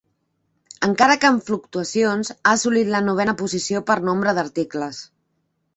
Encara que amb fluctuacions, ha assolit la novena posició per nombre d'articles.